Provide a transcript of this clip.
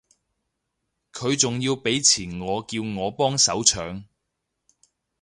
佢仲要畀錢我叫我幫手搶